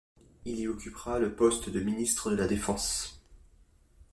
Il y occupera le poste de ministre de la défense.